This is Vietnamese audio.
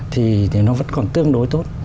thì nó vẫn còn tương đối tốt